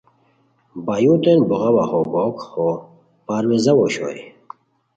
بایوؤتین بوغاوا ہو بوک ہو پارویزاؤ اوشوئے